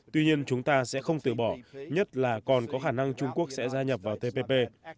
tuy nhiên chúng ta sẽ không từ bỏ nhất là còn có khả năng trung quốc sẽ gia nhập vào tpp